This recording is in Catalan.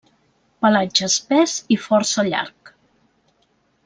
Pelatge espès i força llarg.